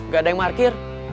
gak ada yang markir